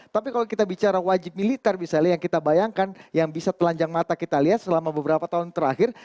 tapi kalau kita bicara wajib militer misalnya yang kita bayangkan yang bisa telanjang mata kita lihat selama beberapa tahun terakhir